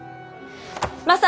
マサ！